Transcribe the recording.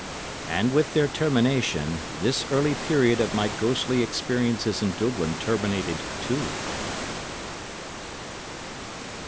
And with their termination this early period of my ghostly experiences in Dublin terminated, too.